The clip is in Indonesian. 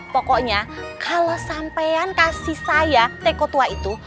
pokoknya kalau sampean kasih saya teko tua itu